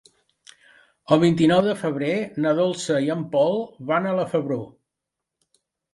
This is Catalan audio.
El vint-i-nou de febrer na Dolça i en Pol van a la Febró.